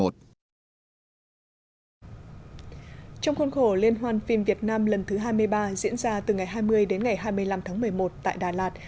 trong khuôn khổ liên hoan phim việt nam lần thứ hai mươi ba diễn ra từ ngày hai mươi đến ngày hai mươi năm tháng một mươi một tại đà lạt